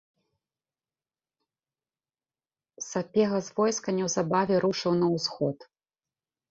Сапега з войска неўзабаве рушыў на ўсход.